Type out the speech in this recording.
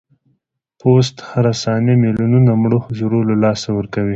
پوست هره ثانیه ملیونونه مړه حجرو له لاسه ورکوي.